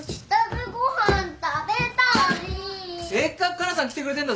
せっかくかなさん来てくれてんだぞ。